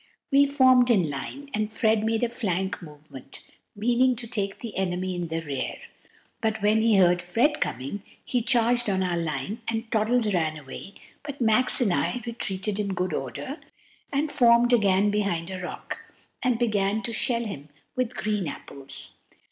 We formed in line, and Fred made a flank movement, meaning to take the enemy in the rear; but when he heard Fred coming, he charged on our line, and Toddles ran away, but Max and I retreated in good order, and formed again behind a rock, and began to shell him with green apples.